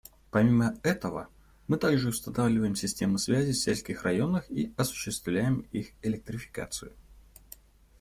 Помимо этого, мы также устанавливаем системы связи в сельских районах и осуществляем их электрификацию.